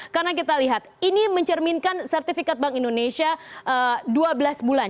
karena kita lihat ini mencerminkan sertifikat bank indonesia dua belas bulan